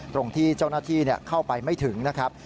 ตรงที่เจ้าหน้าที่เข้าไปไม่ถึงนะครับ